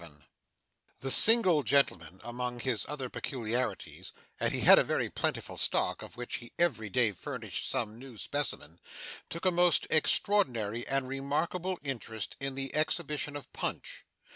CHAPTER 37 The single gentleman among his other peculiarities and he had a very plentiful stock, of which he every day furnished some new specimen took a most extraordinary and remarkable interest in the exhibition of Punch.